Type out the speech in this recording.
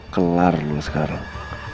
kelar lo sekarang